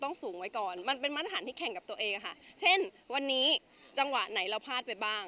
แต่รู้สึกยังไงกับการที่เราต้องสนับมาตรฐานอยู่ตลอดเวลามีความกดดันอะไรยังไงบ้าง